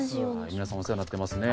皆さんお世話になってますね。